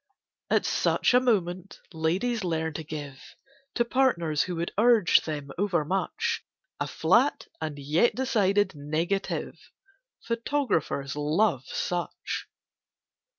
At such a moment ladies learn to give, To partners who would urge them over much, A flat and yet decided negative— Photographers love such.